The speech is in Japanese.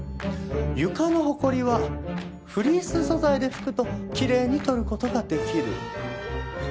床のほこりはフリース素材で拭くときれいに取る事ができる。